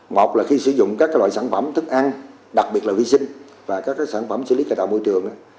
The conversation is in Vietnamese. một là khi sử dụng các loại sản phẩm thức ăn đặc biệt là vi sinh và các sản phẩm xử lý cài tạo môi trường